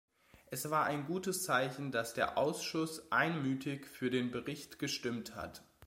Es war ein gutes Zeichen, dass der Ausschuss einmütig für den Bericht gestimmt hat.